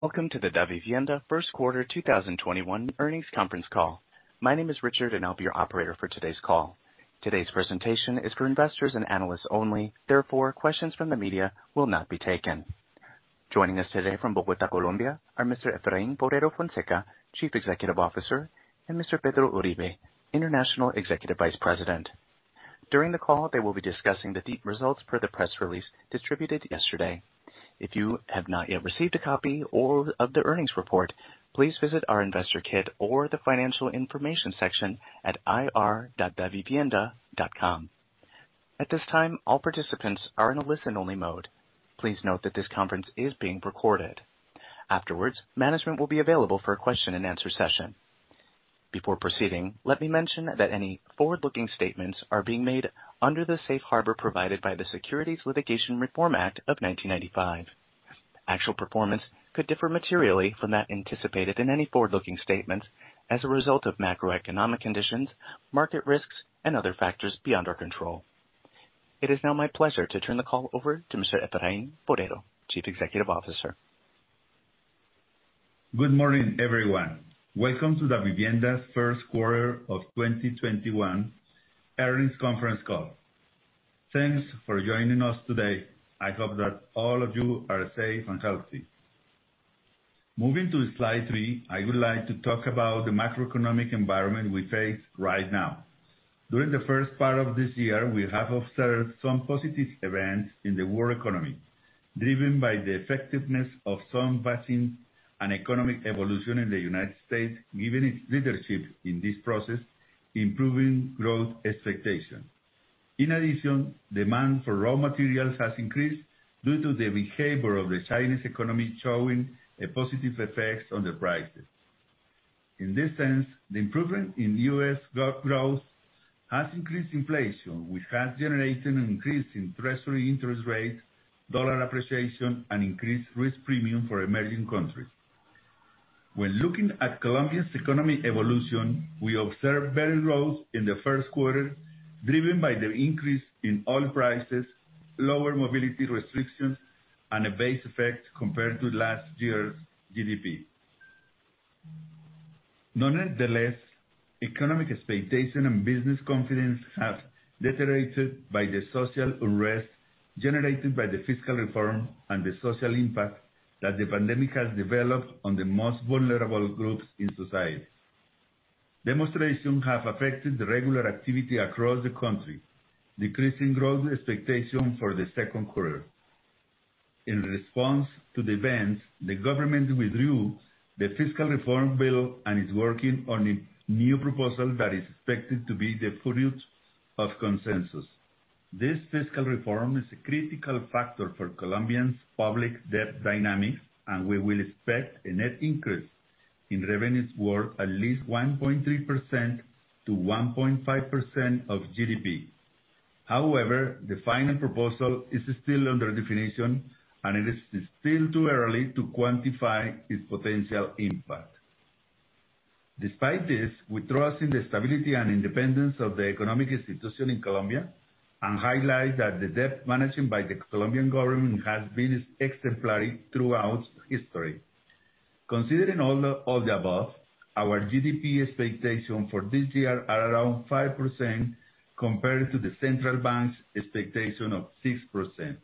Welcome to the Davivienda first quarter 2021 earnings conference call. My name is Richard, and I'll be your operator for today's call. Today's presentation is for investors and analysts only, therefore, questions from the media will not be taken. Joining us today from Bogotá, Colombia, are Mr. Efraín Forero Fonseca, Chief Executive Officer, and Mr. Pedro Uribe, International Executive Vice President. During the call, they will be discussing the results per the press release distributed yesterday. If you have not yet received a copy or of the earnings report, please visit our investor kit or the financial information section at ir.davivienda.com. At this time, all participants are in a listen-only mode. Please note that this conference is being recorded. Afterwards, management will be available for a question-and-answer session. Before proceeding, let me mention that any forward-looking statements are being made under the safe harbor provided by the Private Securities Litigation Reform Act of 1995. Actual performance could differ materially from that anticipated in any forward-looking statements as a result of macroeconomic conditions, market risks, and other factors beyond our control. It is now my pleasure to turn the call over to Mr. Efraín Forero, Chief Executive Officer. Good morning, everyone. Welcome to Davivienda's first quarter of 2021 earnings conference call. Thanks for joining us today. I hope that all of you are safe and healthy. Moving to slide three, I would like to talk about the macroeconomic environment we face right now. During the first part of this year, we have observed some positive events in the world economy, driven by the effectiveness of some vaccines and economic evolution in the United States, given its leadership in this process, improving growth expectations. Demand for raw materials has increased due to the behavior of the Chinese economy showing a positive effect on the prices. The improvement in U.S. growth has increased inflation, which has generated an increase in treasury interest rates, dollar appreciation, and increased risk premium for emerging countries. When looking at Colombia's economic evolution, we observed better growth in the first quarter, driven by the increase in oil prices, lower mobility restrictions, and a base effect compared to last year's GDP. Nonetheless, economic expectation and business confidence have deteriorated by the social unrest generated by the fiscal reform and the social impact that the pandemic has developed on the most vulnerable groups in society. Demonstrations have affected the regular activity across the country, decreasing growth expectation for the second quarter. In response to the events, the government withdrew the fiscal reform bill and is working on a new proposal that is expected to be the fruit of consensus. This fiscal reform is a critical factor for Colombia's public debt dynamic, and we will expect a net increase in revenues worth at least 1.3%-1.5% of GDP. However, the final proposal is still under definition, and it is still too early to quantify its potential impact. Despite this, we trust in the stability and independence of the economic institution in Colombia and highlight that the debt management by the Colombian government has been exemplary throughout history. Considering all of the above, our GDP expectations for this year are around 5% compared to the central bank's expectation of 6%.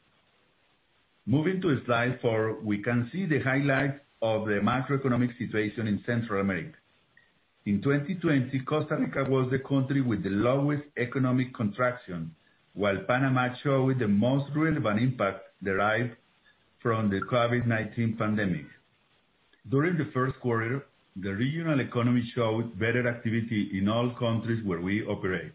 Moving to slide four, we can see the highlight of the macroeconomic situation in Central America. In 2020, Costa Rica was the country with the lowest economic contraction, while Panama showed the most relevant impact derived from the COVID-19 pandemic. During the first quarter, the regional economy showed better activity in all countries where we operate.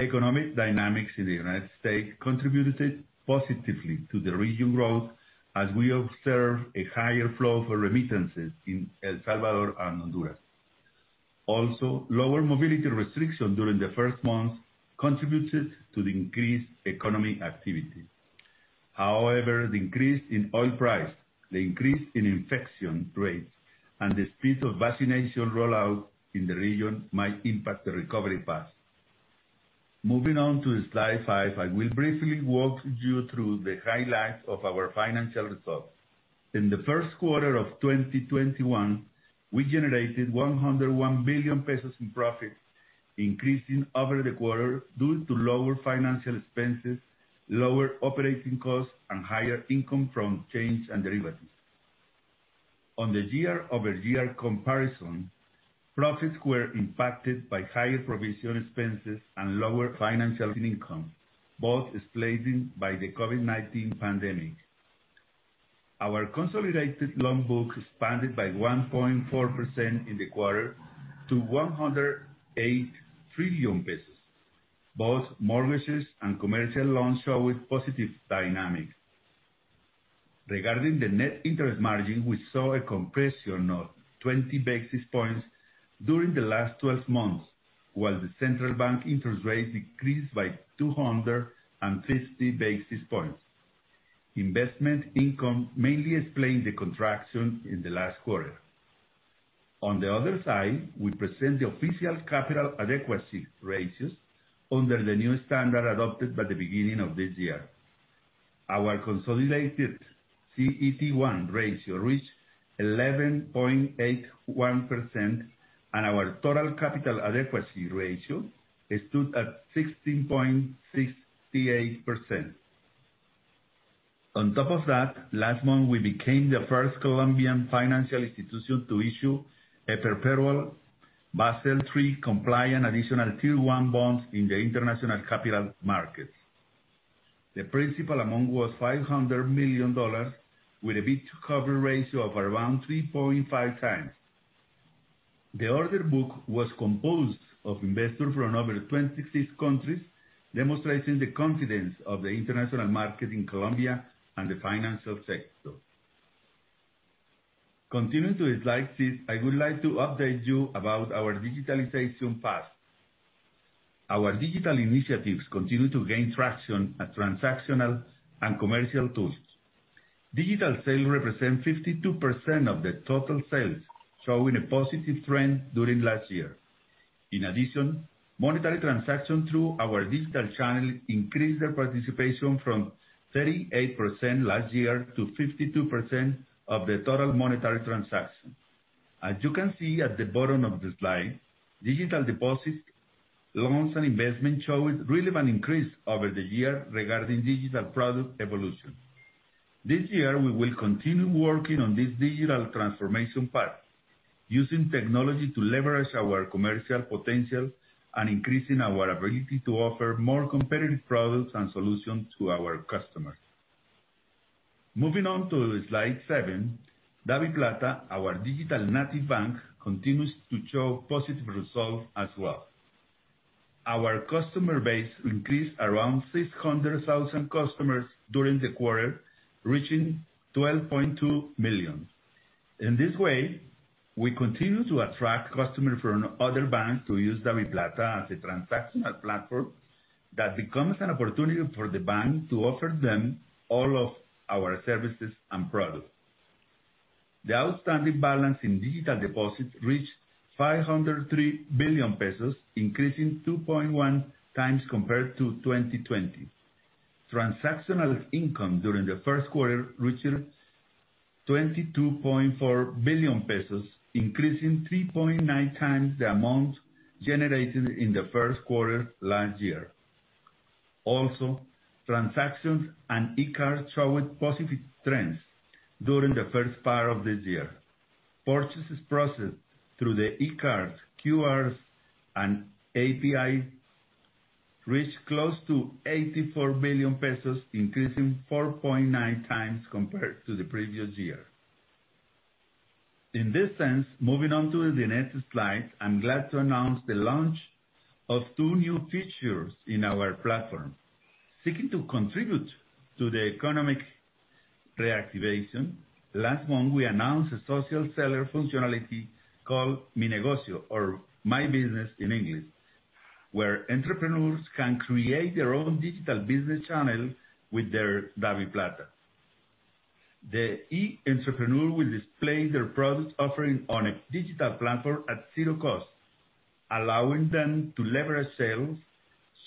Economic dynamics in the United States contributed positively to the region growth as we observed a higher flow for remittances in El Salvador and Honduras. Also, lower mobility restrictions during the first month contributed to the increased economy activity. However, the increase in oil price, the increase in infection rates, and the speed of vaccination rollout in the region might impact the recovery path. Moving on to slide five, I will briefly walk you through the highlights of our financial results. In the first quarter of 2021, we generated COP 101 billion in profit, increasing over the quarter due to lower financial expenses, lower operating costs, and higher income from change and derivatives. On the year-over-year comparison, profits were impacted by higher provision expenses and lower financial income, both driven by the COVID-19 pandemic. Our consolidated loan book expanded by 1.4% in the quarter to COP 108 trillion, both mortgages and commercial loans showed positive dynamics. Regarding the net interest margin, we saw a compression of 20 basis points during the last 12 months, while the central bank interest rate decreased by 250 basis points. Investment income mainly explained the contraction in the last quarter. On the other side, we present the official capital adequacy ratios under the new standard adopted by the beginning of this year. Our consolidated CET1 ratio reached 11.81%, our total capital adequacy ratio stood at 16.68%. On top of that, last month we became the first Colombian financial institution to issue a perpetual Basel III compliant additional Tier 1 bond in the international capital market. The principal amount was $500 million, with a bid to cover ratio of around 3.5 times. The order book was composed of investors from over 25 countries, demonstrating the confidence of the international market in Colombia and the financial sector. Continuing to the slide sheet, I would like to update you about our digitalization path. Our digital initiatives continue to gain traction as transactional and commercial tools. Digital sales represent 52% of the total sales, showing a positive trend during last year. Monetary transactions through our digital channel increased their participation from 38% last year to 52% of the total monetary transactions. As you can see at the bottom of the slide, digital deposits, loans, and investments showed relevant increase over the year regarding digital product evolution. This year, we will continue working on this digital transformation path, using technology to leverage our commercial potential and increasing our ability to offer more competitive products and solutions to our customers. Moving on to slide seven, DaviPlata, our digital-native bank, continues to show positive results as well. Our customer base increased around 600,000 customers during the quarter, reaching 12.2 million. In this way, we continue to attract customers from other banks to use DaviPlata as a transactional platform that becomes an opportunity for the bank to offer them all of our services and products. The outstanding balance in digital deposits reached COP 503 billion, increasing 2.1 times compared to 2020. Transactional income during the first quarter reached COP 22.4 billion, increasing 3.9 times the amount generated in the first quarter last year. Transactions and e-cards showed positive trends during the first part of this year. Purchases processed through the e-cards, QRs, and API reached close to COP 84 billion, increasing 4.9 times compared to the previous year. In this sense, moving on to the next slide, I'm glad to announce the launch of two new features in our platform. Seeking to contribute to the economic reactivation, last month we announced a social seller functionality called Mi Negocio, or My Business in English, where entrepreneurs can create their own digital business channel with their DaviPlata. The e-entrepreneur will display their product offering on a digital platform at zero cost, allowing them to leverage sales,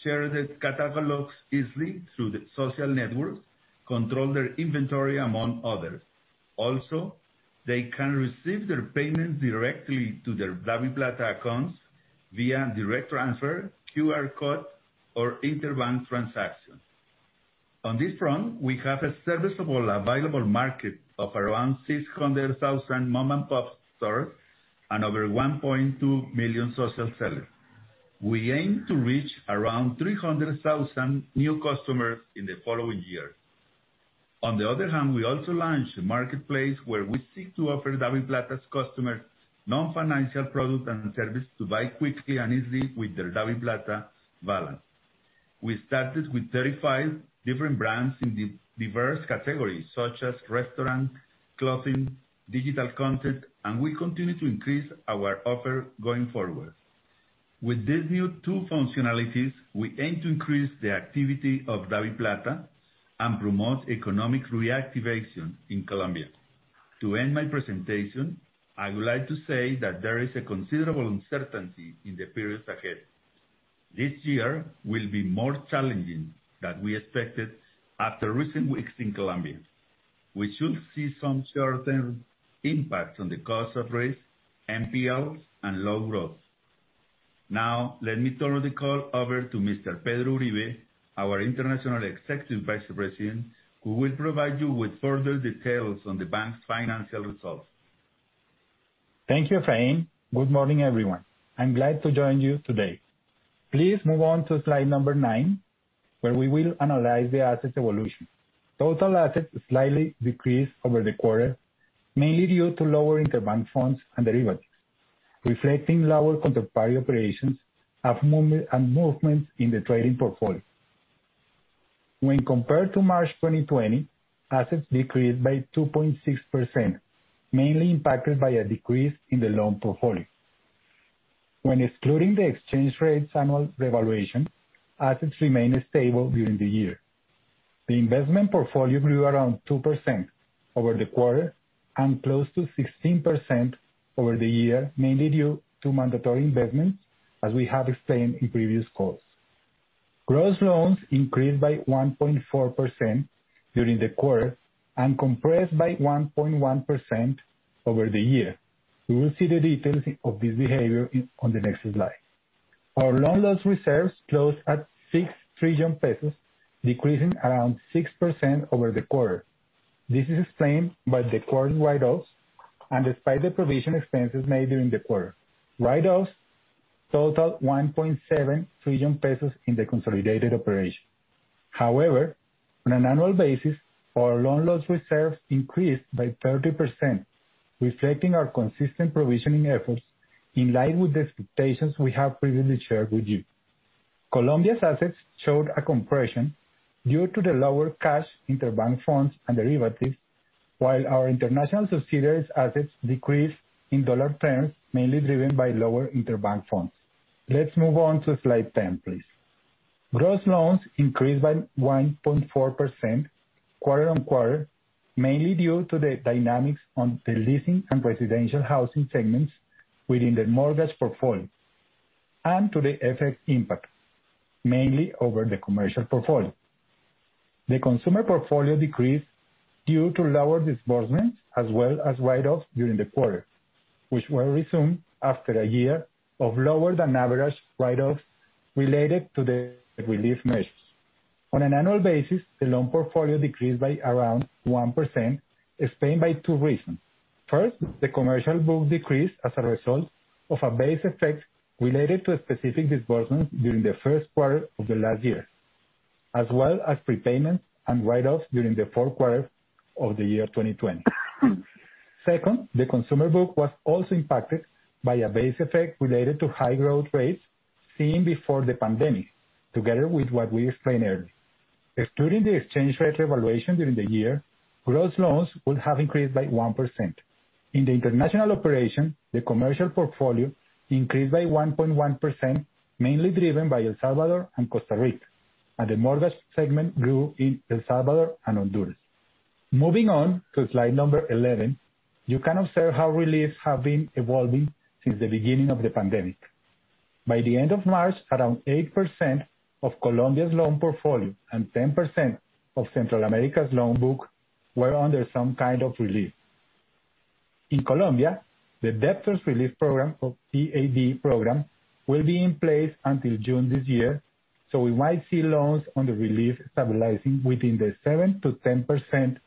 share their catalogs easily through the social networks, control their inventory, among others. Also, they can receive their payments directly to their DaviPlata accounts via direct transfer, QR code, or interbank transactions. On this front, we have a serviceable available market of around 600,000 mom-and-pop stores and over 1.2 million social sellers. We aim to reach around 300,000 new customers in the following year. On the other hand, we also launched a marketplace where we seek to offer DaviPlata's customers non-financial products and services to buy quickly and easily with their DaviPlata balance. We started with 35 different brands in diverse categories such as restaurants, clothing, digital content, and we continue to increase our offer going forward. With these new two functionalities, we aim to increase the activity of DaviPlata and promote economic reactivation in Colombia. To end my presentation, I would like to say that there is considerable uncertainty in the periods ahead. This year will be more challenging than we expected after recent weeks in Colombia. We should see some certain impacts on the cost of risk, NPLs, and loan growth. Let me turn the call over to Mr. Pedro Uribe, our International Executive Vice President, who will provide you with further details on the bank's financial results. Thank you, Efraín. Good morning, everyone. I'm glad to join you today. Please move on to slide number nine, where we will analyze the asset evolution. Total assets slightly decreased over the quarter, mainly due to lower interbank funds and derivatives, reflecting lower contemporary operations and movements in the trading portfolio. When compared to March 2020, assets decreased by 2.6%, mainly impacted by a decrease in the loan portfolio. When excluding the exchange rate channel devaluation, assets remained stable during the year. The investment portfolio grew around 2% over the quarter and close to 16% over the year, mainly due to mandatory investments, as we have explained in previous calls. Gross loans increased by 1.4% during the quarter and compressed by 1.1% over the year. We will see the details of this behavior on the next slide. Our loan loss reserves closed at COP 6 trillion, decreasing around 6% over the quarter. This is explained by the current write-offs and despite the provision expenses made during the quarter. Write-offs totaled COP 1.7 trillion in the consolidated operation. On an annual basis, our loan loss reserves increased by 30%, reflecting our consistent provisioning efforts in line with the expectations we have previously shared with you. Colombia's assets showed a compression due to the lower cash interbank funds and derivatives, while our international subsidiaries assets decreased in USD terms, mainly driven by lower interbank funds. Let's move on to slide 10, please. Gross loans increased by 1.4% quarter on quarter, mainly due to the dynamics on the leasing and residential housing segments within the mortgage portfolio and to the FX impact, mainly over the commercial portfolio. The consumer portfolio decreased due to lower disbursements as well as write-offs during the quarter, which were resumed after a year of lower than average write-offs related to the relief measures. On an annual basis, the loan portfolio decreased by around 1%, explained by two reasons. First, the commercial book decreased as a result of a base effect related to a specific disbursement during the first quarter of the last year, as well as prepayments and write-offs during the fourth quarter of the year 2020. Second, the consumer book was also impacted by a base effect related to high growth rates seen before the pandemic, together with what we explained earlier. Excluding the exchange rate evaluation during the year, gross loans would have increased by 1%. In the international operation, the commercial portfolio increased by 1.1%, mainly driven by El Salvador and Costa Rica, and the mortgage segment grew in El Salvador and Honduras. Moving on to slide number 11, you can observe how reliefs have been evolving since the beginning of the pandemic. By the end of March, around 8% of Colombia's loan portfolio and 10% of Central America's loan book were under some kind of relief. In Colombia, the debtors relief program or PAD program will be in place until June this year, so we might see loans on the relief stabilizing within the 7%-10%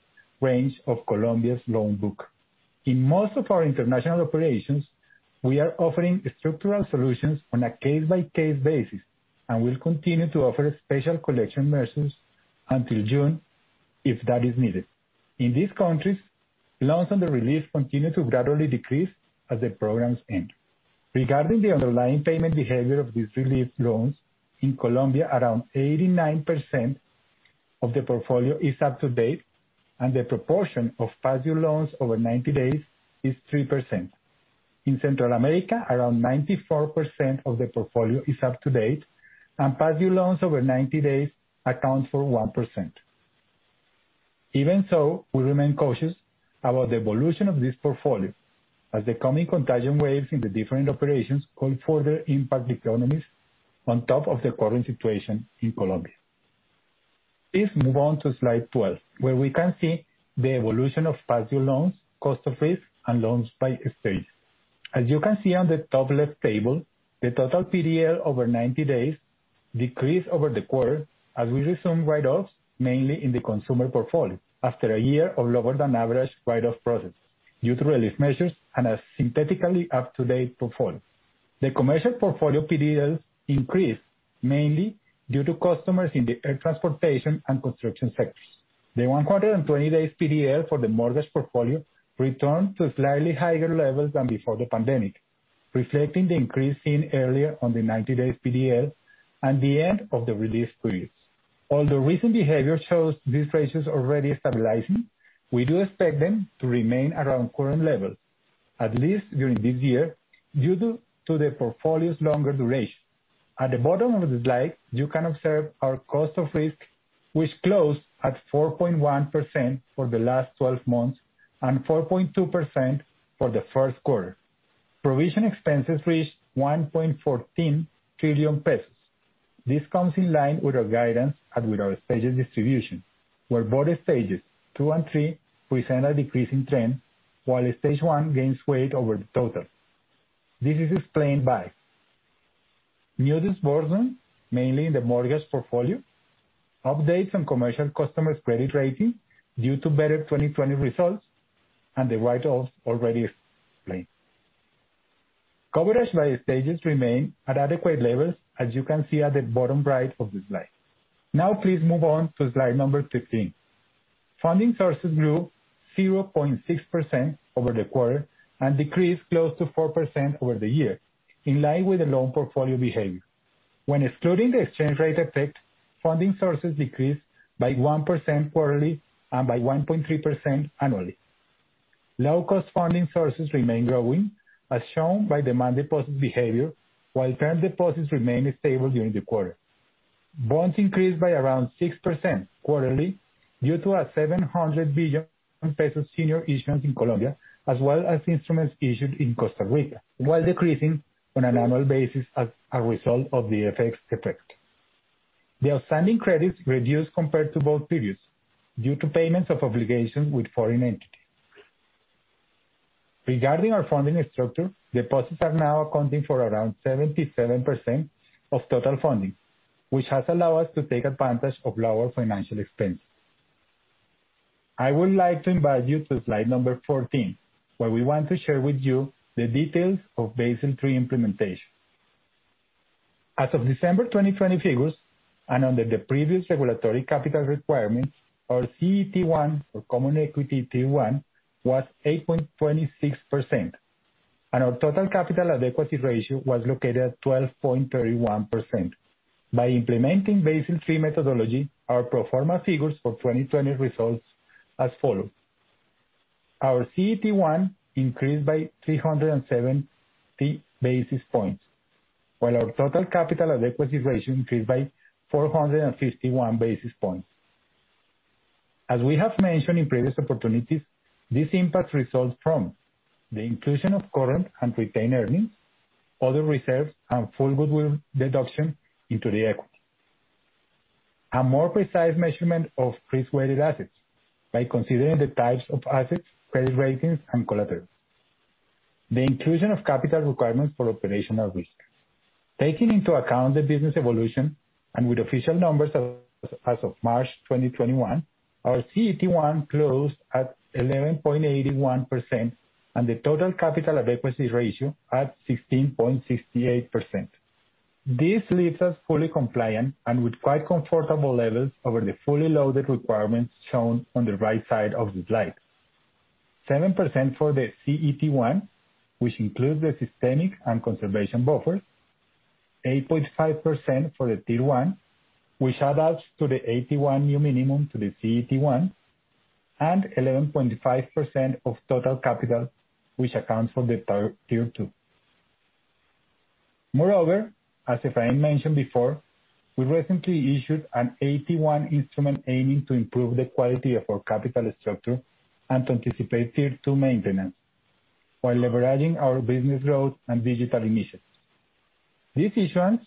range of Colombia's loan book. In most of our international operations, we are offering structural solutions on a case-by-case basis and will continue to offer special collection measures until June if that is needed. In these countries, loans under relief continue to gradually decrease as the programs end. Regarding the underlying payment behavior of these relief loans, in Colombia, around 89% of the portfolio is up to date, and the proportion of past-due loans over 90 days is 3%. In Central America, around 94% of the portfolio is up to date, and past-due loans over 90 days account for 1%. Even so, we remain cautious about the evolution of this portfolio, as the coming contagion waves in the different operations could further impact economies on top of the current situation in Colombia. Please move on to slide 12, where we can see the evolution of past-due loans, cost of risk, and loans by stage. As you can see on the top left table, the total PDL over 90 days decreased over the quarter as we resumed write-offs, mainly in the consumer portfolio after a year of lower than average write-off process due to relief measures and a synthetically up-to-date portfolio. The commercial portfolio PDL increased mainly due to customers in the air transportation and construction sectors. The 120-day PDL for the mortgage portfolio returned to slightly higher levels than before the pandemic, reflecting the increase seen earlier on the 90-day PDL and the end of the relief periods. Although recent behavior shows these ratios already stabilizing, we do expect them to remain around current levels, at least during this year, due to the portfolio's longer duration. At the bottom of the slide, you can observe our cost of risk, which closed at 4.1% for the last 12 months and 4.2% for the first quarter. Provision expenses reached COP 1.14 trillion. This comes in line with our guidance and with our stages distribution, where both stage two and stage three present a decreasing trend, while stage one gains weight over the total. This is explained by new disbursements, mainly in the mortgage portfolio, updates on commercial customer credit rating due to better 2020 results, and the write-offs already explained. Coverage by stages remain at adequate levels, as you can see at the bottom right of the slide. Now, please move on to slide number 15. Funding sources grew 0.6% over the quarter and decreased close to 4% over the year, in line with the loan portfolio behavior. When excluding the exchange rate effect, funding sources decreased by 1% quarterly and by 1.3% annually. Low cost funding sources remain growing, as shown by the money deposit behavior, while term deposits remained stable during the quarter. Bonds increased by around 6% quarterly due to COP 700 billion in senior issuance in Colombia, as well as instruments issued in Costa Rica, while decreasing on an annual basis as a result of the FX effect. The outstanding credits reduced compared to both periods due to payments of obligations with foreign entities. Regarding our funding structure, deposits are now accounting for around 77% of total funding, which has allowed us to take advantage of lower financial expense. I would like to invite you to slide number 14, where we want to share with you the details of Basel III implementation. As of December 2020 figures, and under the previous regulatory capital requirements, our CET1, or common equity Tier 1, was 8.26%, and our total capital adequacy ratio was located at 12.31%. By implementing Basel III methodology, our pro forma figures for 2020 results as follows. Our CET1 increased by 307 basis points, while our total capital adequacy ratio increased by 451 basis points. As we have mentioned in previous opportunities, this impact results from the inclusion of current and retained earnings, other reserves, and full goodwill deduction into the equity. A more precise measurement of risk-weighted assets by considering the types of assets, credit ratings, and collateral. The inclusion of capital requirements for operational risks. Taking into account the business evolution, and with official numbers as of March 2021, our CET1 closed at 11.81%, and the total capital adequacy ratio at 16.68%. This leaves us fully compliant and with quite comfortable levels over the fully loaded requirements shown on the right side of the slide. 7% for the CET1, which includes the systemic and conservation buffers, 8.5% for the Tier 1, which adds to the AT1 new minimum to the CET1, and 11.5% of total capital, which accounts for the Tier 2. As Efraín mentioned before, we recently issued an AT1 instrument aiming to improve the quality of our capital structure and to anticipate Tier 2 maintenance, while leveraging our business growth and digital initiatives. This issuance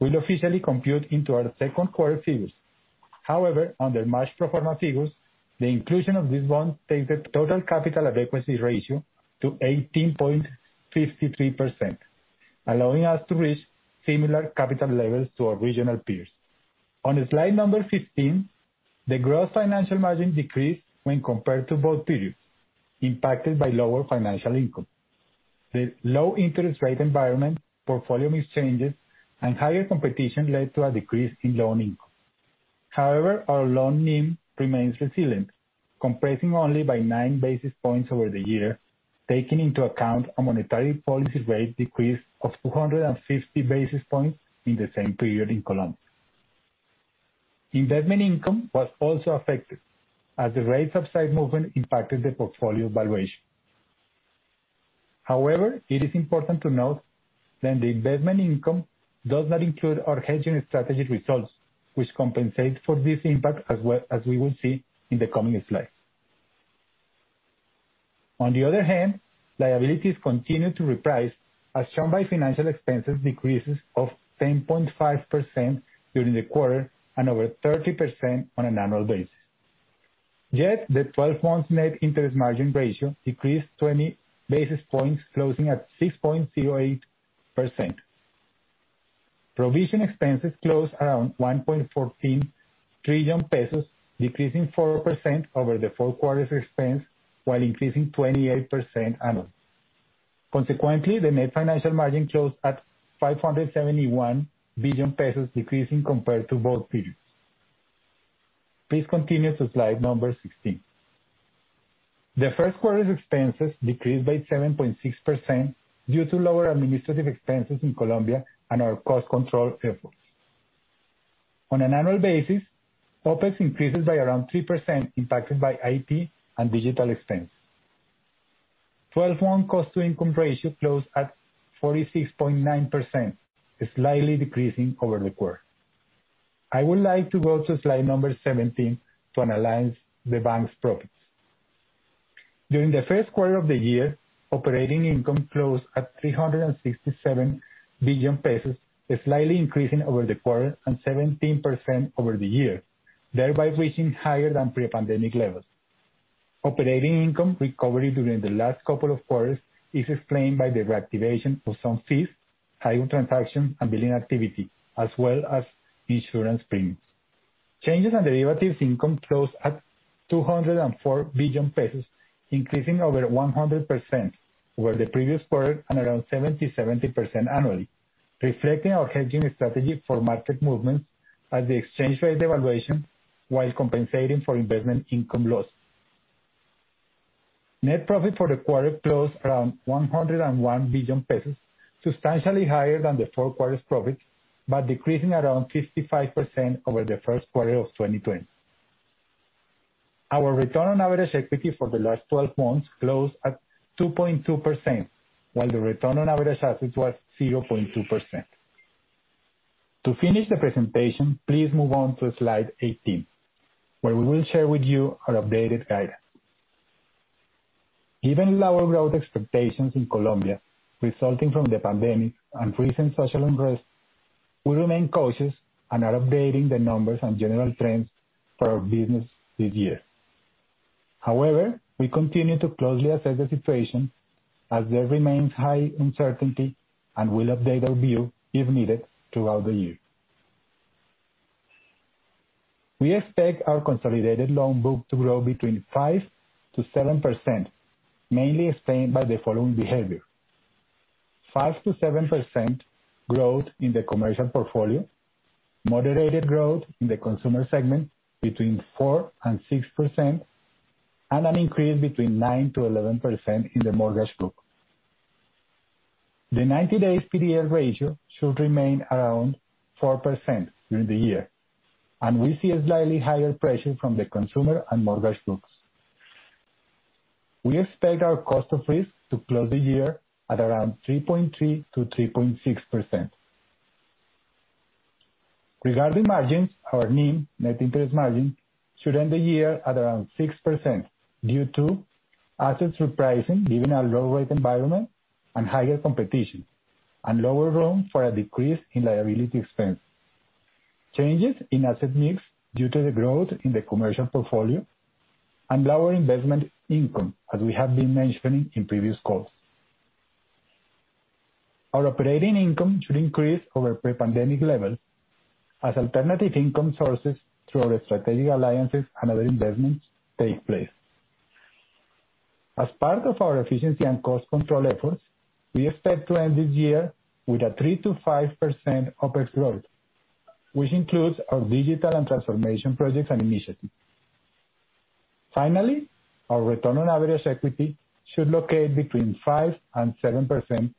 will officially compute into our second quarter figures. Under March pro forma figures, the inclusion of this bond takes the total capital adequacy ratio to 18.53%, allowing us to reach similar capital levels to our regional peers. On slide number 15, the gross financial margin decreased when compared to both periods, impacted by lower financial income. The low interest rate environment, portfolio exchanges, and higher competition led to a decrease in loan income. Our loan NIM remains resilient, compressing only by nine basis points over the year, taking into account a monetary policy rate decrease of 250 basis points in the same period in Colombia. Investment income was also affected as the rates upside movement impacted the portfolio valuation. It is important to note that the investment income does not include our hedging strategy results, which compensate for this impact as well, as we will see in the coming slides. Liabilities continued to reprice as shown by financial expenses decreases of 10.5% during the quarter and over 30% on an annual basis. The 12-month net interest margin ratio decreased 20 basis points, closing at 6.08%. Provision expenses closed around COP 1.14 trillion, decreasing 4% over the fourth quarter's expense, while increasing 28% annually. Consequently, the net financial margin closed at COP 571 billion, decreasing compared to both periods. Please continue to slide number 16. The first quarter's expenses decreased by 7.6% due to lower administrative expenses in Colombia and our cost control efforts. On an annual basis, OPEX increases by around 3%, impacted by IT and digital expense. 12-month cost to income ratio closed at 46.9%, slightly decreasing over the quarter. I would like to go to slide number 17 to analyze the bank's profits. During the first quarter of the year, operating income closed at COP 367 billion, slightly increasing over the quarter and 17% over the year, thereby reaching higher than pre-pandemic levels. Operating income recovery during the last couple of quarters is explained by the reactivation of some fees, higher transaction and billing activity, as well as insurance premiums. Changes in derivatives income closed at COP 204 billion, increasing over 100% over the previous quarter and around 77% annually, reflecting our hedging strategy for market movements at the exchange rate evaluation while compensating for investment income loss. Net profit for the quarter closed around COP 101 billion, substantially higher than the fourth quarter's profit, decreasing around 55% over the first quarter of 2020. Our return on average equity for the last 12 months closed at 2.2%, while the return on average assets was 0.2%. To finish the presentation, please move on to slide 18, where we will share with you our updated guidance. Given lower growth expectations in Colombia resulting from the pandemic and recent social unrest, we remain cautious and are updating the numbers and general trends for our business this year. However, we continue to closely assess the situation as there remains high uncertainty and will update our view if needed throughout the year. We expect our consolidated loan book to grow between 5%-7%, mainly explained by the following behavior. 5%-7% growth in the commercial portfolio, moderated growth in the consumer segment between 4% and 6%, and an increase between 9%-11% in the mortgage book. The 90-day PDL ratio should remain around 4% during the year, and we see a slightly higher pressure from the consumer and mortgage books. We expect our cost of risk to close the year at around 3.3%-3.6%. Regarding margins, our mean net interest margin should end the year at around 6% due to asset repricing given our low rate environment and higher competition, and lower room for a decrease in liability expense. Changes in asset mix due to the growth in the commercial portfolio and lower investment income, as we have been mentioning in previous calls. Our operating income should increase over pre-pandemic levels as alternative income sources through our strategic alliances and other investments take place. As part of our efficiency and cost control efforts, we expect to end this year with a 3%-5% OPEX growth, which includes our digital and transformation projects and initiatives. Finally, our return on average equity should locate between 5% and 7% of 2021.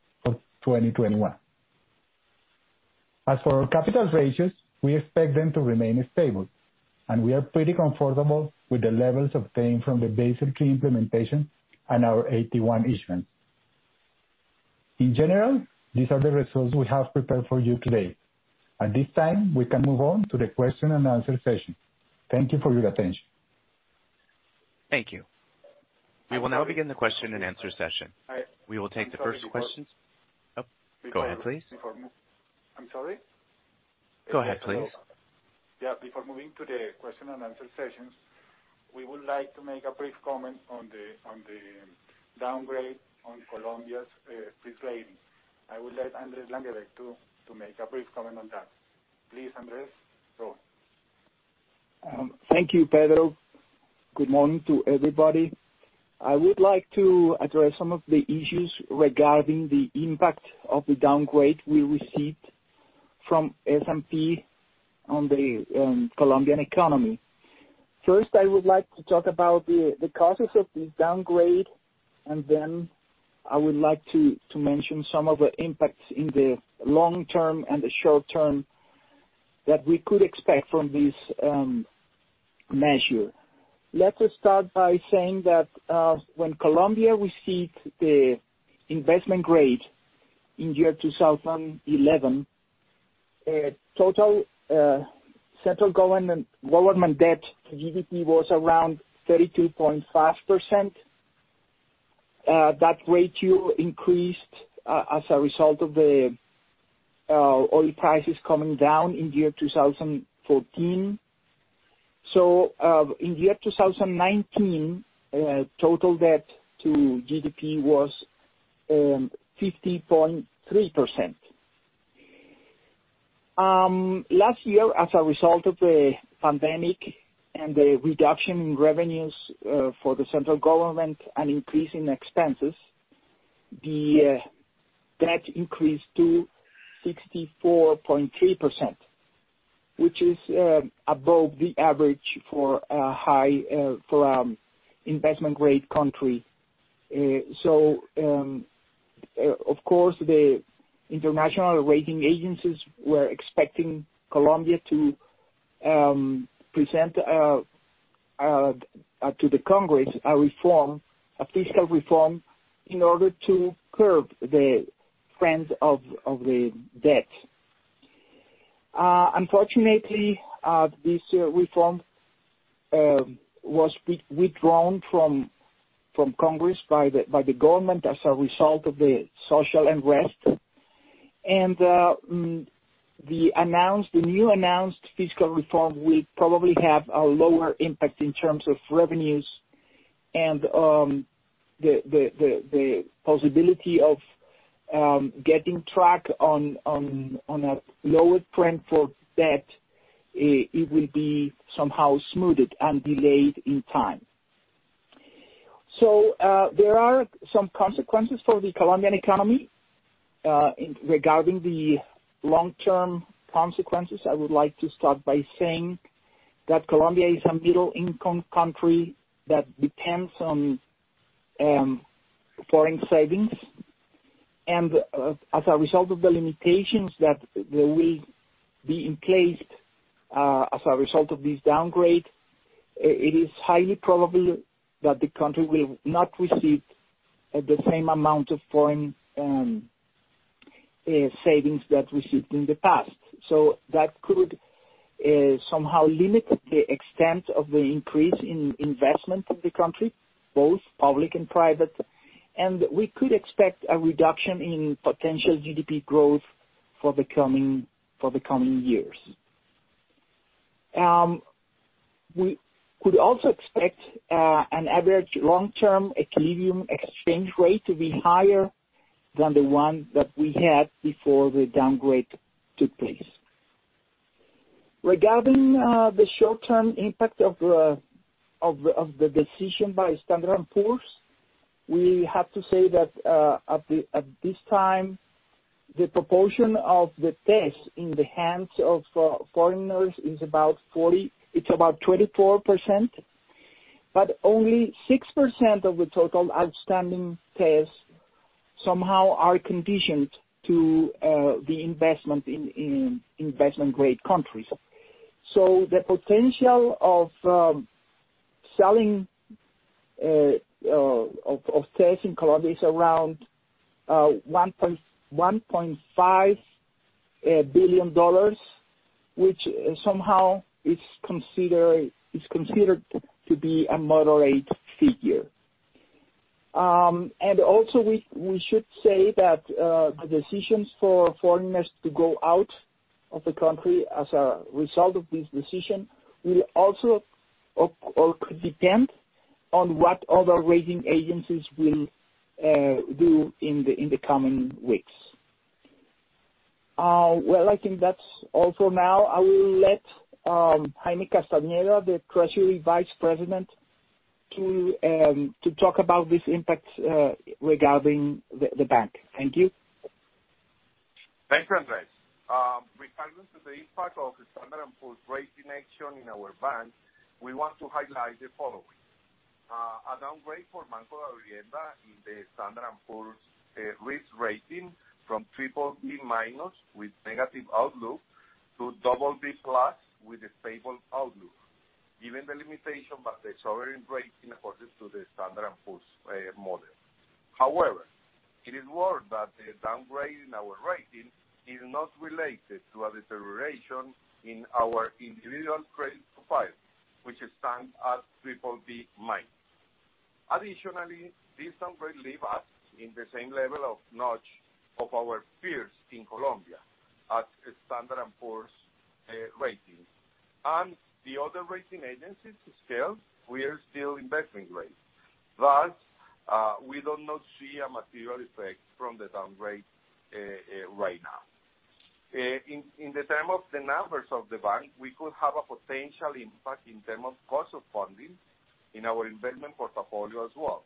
As for our capital ratios, we expect them to remain stable, and we are pretty comfortable with the levels obtained from the Basel III implementation and our AT1 issuance. In general, these are the results we have prepared for you today. At this time, we can move on to the question and answer session. Thank you for your attention. Thank you. We will now begin the question and answer session. We will take the first questions. Go ahead, please. I'm sorry? Go ahead, please. Yeah. Before moving to the question and answer sessions, we would like to make a brief comment on the downgrade on Colombia's fiscal aid. I would like Andrés Langebaek to make a brief comment on that. Please, Andrés, go. Thank you, Pedro. Good morning to everybody. I would like to address some of the issues regarding the impact of the downgrade we received from S&P on the Colombian economy. First, I would like to talk about the causes of this downgrade, and then I would like to mention some of the impacts in the long term and the short term that we could expect from this measure. Let us start by saying that when Colombia received the investment grade in year 2011, total central government debt to GDP was around 32.5%. In the year 2019, total debt to GDP was 50.3%. Last year, as a result of the pandemic and the reduction in revenues for the central government and increase in expenses, the debt increased to 64.3%, which is above the average for investment grade countries. Of course, the international rating agencies were expecting Colombia to present to the Congress a fiscal reform in order to curb the trends of the debt. Unfortunately, this reform was withdrawn from Congress by the government as a result of the social unrest, and the new announced fiscal reform will probably have a lower impact in terms of revenues and the possibility of getting track on a lower trend for debt, it will be somehow smoothed and delayed in time. There are some consequences for the Colombian economy. Regarding the long-term consequences, I would like to start by saying that Colombia is a middle-income country that depends on-And foreign savings. As a result of the limitations that will be in place as a result of this downgrade, it is highly probable that the country will not receive the same amount of foreign savings that we received in the past. That could somehow limit the extent of the increase in investment of the country, both public and private, and we could expect a reduction in potential GDP growth for the coming years. We could also expect an average long-term equilibrium exchange rate to be higher than the one that we had before the downgrade took place. Regarding the short-term impact of the decision by Standard & Poor's, we have to say that at this time, the proportion of the TES in the hands of foreigners it's about 24%, but only 6% of the total outstanding TES somehow are conditioned to the investment in investment-grade countries. The potential of selling, of TES in Colombia is around COP 1.5 billion, which somehow is considered to be a moderate figure. Also, we should say that the decisions for foreigners to go out of the country as a result of this decision will also or could depend on what other rating agencies will do in the coming weeks. I think that's all for now. I will let Jaime Castañeda, the Vice President of Treasury, to talk about this impact regarding the bank. Thank you. Thanks, Andrés. Regarding to the impact of the Standard & Poor's rating action in our bank, we want to highlight the following. A downgrade for Banco Davivienda in the Standard & Poor's risk rating from BBB- with negative outlook to BB+ with a stable outlook, given the limitation by the sovereign rating according to the Standard & Poor's model. However, it is worth that the downgrade in our rating is not related to a deterioration in our individual credit profile, which stands at BBB-. Additionally, this downgrade leave us in the same level of notch of our peers in Colombia at Standard & Poor's ratings. The other rating agencies scale, we are still investment grade. Thus, we do not see a material effect from the downgrade right now. In the time of the numbers of the bank, we could have a potential impact in terms of cost of funding in our investment portfolio as well.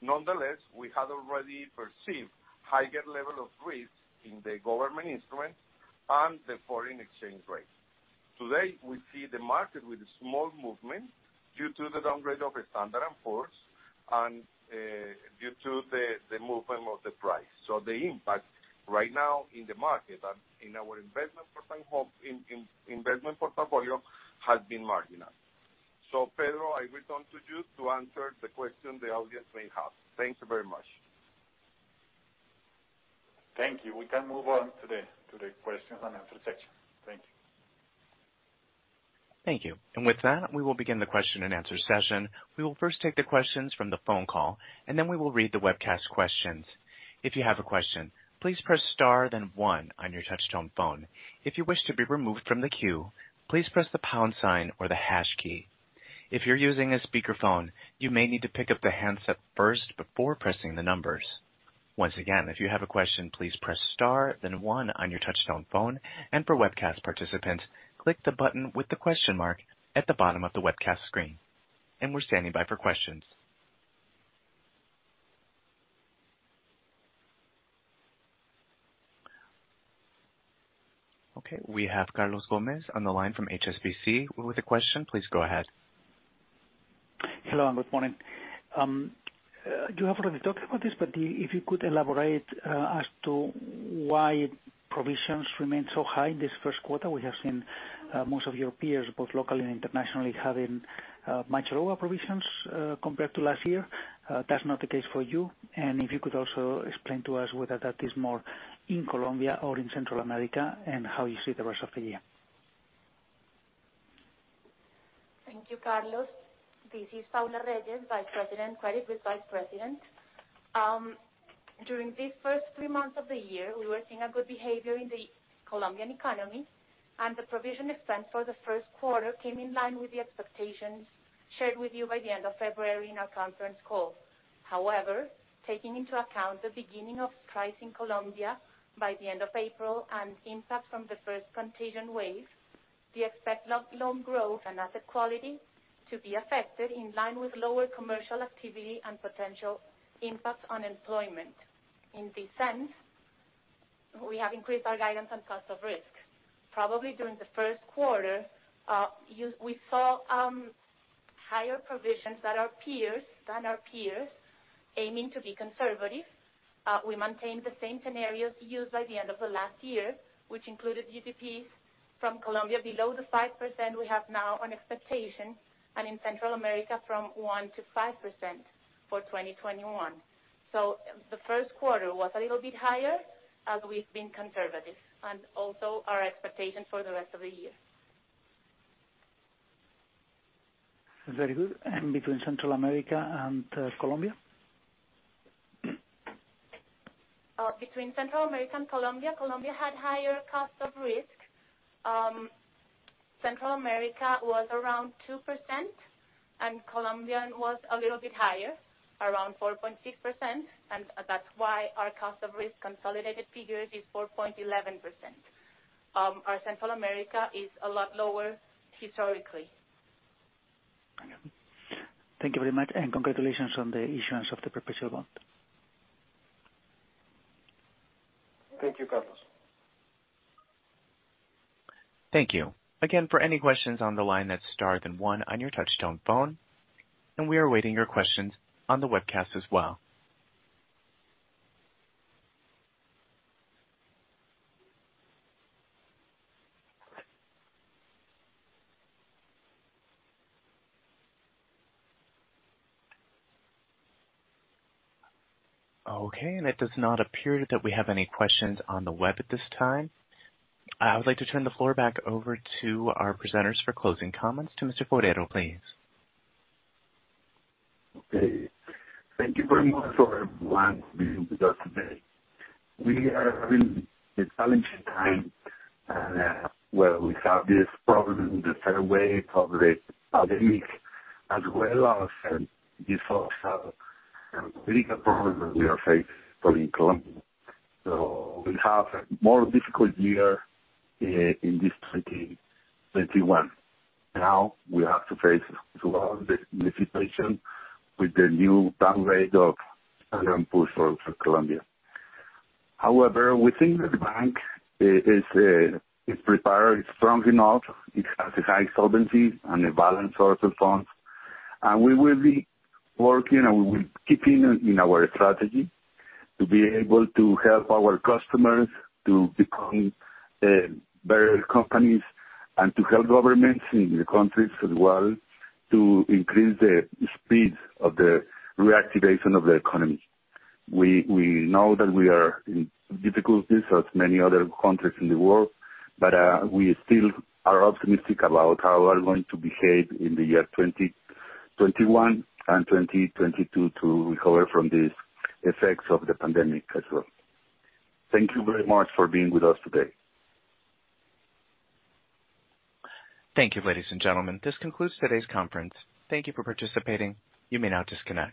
Nonetheless, we had already perceived higher level of risk in the government instrument and the foreign exchange rate. Today, we see the market with a small movement due to the downgrade of Standard & Poor's and due to the movement of the price. The impact right now in the market and in our investment portfolio has been marginal. Pedro, I will turn to you to answer the question the audience may have. Thank you very much. Thank you. We can move on to the question and answer section. Thank you. Thank you. With that, we will begin the question and answer session. We will first take the questions from the phone call, and then we will read the webcast questions. If you have a question please press star then one on your touch tone phone, if you wish to be remove from the queue please press the pounds sign with the harsh key, if you are using a speaker phone you may need to pick up your handset first before pressing the numbers. Once again if you have a question please press star then one on your touch tone phone and for webcast participants click the button with the question mark at the bottom of the webcast screen and will standby for questions. Okay. We have Carlos Gomez on the line from HSBC with a question. Please go ahead. Hello, and good morning. You have already talked about this. If you could elaborate as to why provisions remain so high in this first quarter. We have seen most of your peers, both locally and internationally, having much lower provisions compared to last year. That's not the case for you. If you could also explain to us whether that is more in Colombia or in Central America and how you see the rest of the year. Thank you, Carlos. This is Paula Reyes, Vice President of Credit Risk. During the first three months of the year, we were seeing a good behavior in the Colombian economy, and the provision expense for the first quarter came in line with the expectations shared with you by the end of February in our conference call. However, taking into account the beginning of strikes in Colombia by the end of April and impact from the first contagion wave, we expect loan growth and asset quality to be affected in line with lower commercial activity and potential impact on employment. In this sense We have increased our guidance on cost of risk. Probably during the first quarter, we saw higher provisions than our peers, aiming to be conservative. We maintained the same scenarios used at the end of the last year, which included GDPs from Colombia below the 5% we have now on expectation, and in Central America from 1%-5% for 2021. The first quarter was a little bit higher as we've been conservative, and also our expectation for the rest of the year. Very good. Between Central America and Colombia? Between Central America and Colombia had higher cost of risk. Central America was around 2%, Colombia was a little bit higher, around 4.6%, and that's why our cost of risk consolidated figure is 4.11%. Central America is a lot lower historically. Thank you very much, and congratulations on the issuance of the perpetual bond. Thank you, Carlos. Thank you. Again, for any questions on the line, that's star then one on your touchtone phone. We are awaiting your questions on the webcast as well. Okay, it does not appear that we have any questions on the web at this time. I would like to turn the floor back over to our presenters for closing comments. To Mr. Forero, please. Thank you very much for everyone being with us today. We are in a challenging time. We have this problem, the third wave of the pandemic, as well as these also big problems that we are facing in Colombia. We have a more difficult year in this 2021. We have to face throughout the situation with the new downgrade of S&P for Colombia. However, we think that the bank is prepared, it's strong enough, it has a high solvency and a balanced source of funds. We will be working and we will keep in our strategy to be able to help our customers to become better companies and to help governments in the countries as well to increase the speed of the reactivation of the economy. We know that we are in difficulties as many other countries in the world. We still are optimistic about how we are going to behave in the year 2021 and 2022 to recover from these effects of the pandemic as well. Thank you very much for being with us today. Thank you, ladies and gentlemen. This concludes today's conference. Thank you for participating. You may now disconnect.